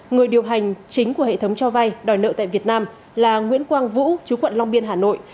người điều hành chính của hệ thống cho vay đòi nợ tại việt nam là nguyễn quang vũ chú quận long biên hà nội